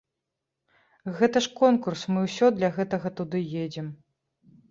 Гэта ж конкурс, мы ўсё для гэтага туды едзем.